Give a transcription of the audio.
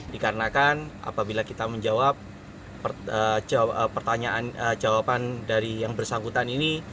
dikarenakan apabila kita menjawab pertanyaan jawaban dari yang bersangkutan ini